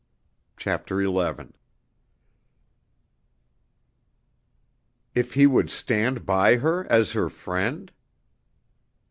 B. D." CHAPTER XI If he would "stand by her, as her friend"?